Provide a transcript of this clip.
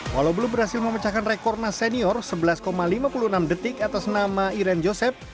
walau belum berhasil memecahkan rekornas senior sebelas lima puluh enam detik atas nama iren joseph